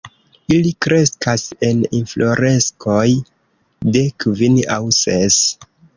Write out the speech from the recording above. Ili kreskas en infloreskoj de kvin aŭ ses.